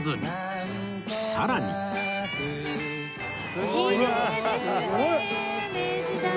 すごいな。